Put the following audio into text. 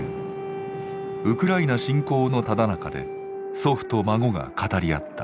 ウクライナ侵攻のただ中で祖父と孫が語り合った。